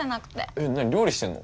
えっ何料理してんの？